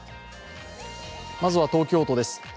まずは東京都です。